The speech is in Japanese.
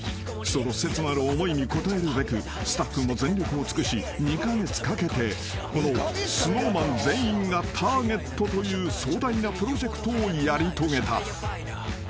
［その切なる思いに応えるべくスタッフも全力を尽くし２カ月かけてこのＳｎｏｗＭａｎ全員がターゲットという壮大なプロジェクトをやり遂げた］